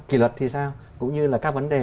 kỷ luật thì sao cũng như là các vấn đề